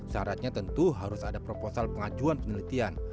syaratnya tentu harus ada proposal pengajuan penelitian